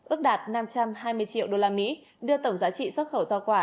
ước đạt năm trăm hai mươi triệu usd đưa tổng giá trị xuất khẩu giao quả